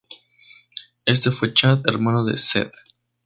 Este fue Chad, hermano de Cedd.